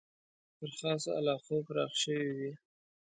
تر خاصو علاقو پراخ شوی وي.